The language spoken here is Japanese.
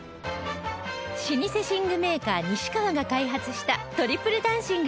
老舗寝具メーカー西川が開発したトリプル暖寝具